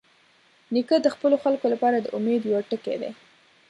نیکه د خپلو خلکو لپاره د امید یوه ټکۍ ده.